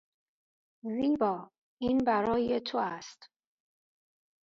زیبا، این برای تو است.